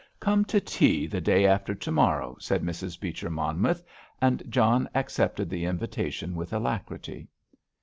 "Come to tea the day after to morrow," said Mrs. Beecher Monmouth, and John accepted the invitation with alacrity.